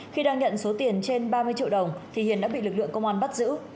khi đang nhận số tiền trên ba mươi triệu đồng thì hiền đã bị lực lượng công an bắt giữ